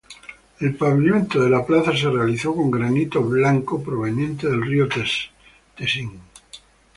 El pavimento de la plaza se realizó con granito blanco proveniente del río Tessin.